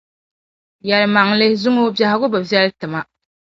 Yɛlimaŋli zuŋɔ biɛhigu bi viɛli n-ti ma.